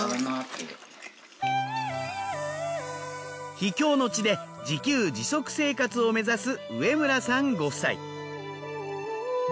秘境の地で自給自足生活を目指す植村さんご夫妻。